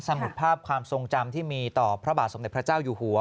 หมุดภาพความทรงจำที่มีต่อพระบาทสมเด็จพระเจ้าอยู่หัว